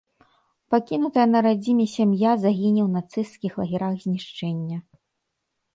Пакінутая на радзіме сям'я загіне ў нацысцкіх лагерах знішчэння.